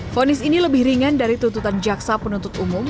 fonis ini lebih ringan dari tuntutan jaksa penuntut umum